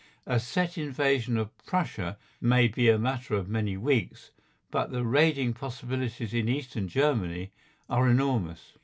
A set invasion of Prussia may be a matter of many weeks, but the raiding possibilities in Eastern Germany are enormous.